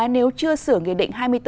nếu chưa sửa nghị định hai mươi bốn